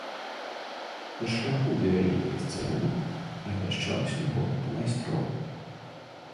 На шляху да вялікай сцэны размяшчаўся горад майстроў.